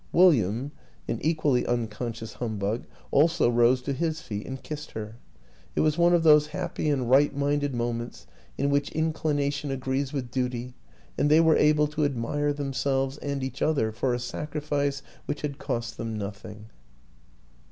William, an equally unconscious humbug, also rose to his feet and kissed her. It was one of those happy and right minded .moments in which inclination agrees with duty, and they were able to admire them selves and each other for a sacrifice which had cost them nothing.